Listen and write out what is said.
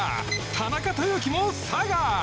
田中豊樹も佐賀！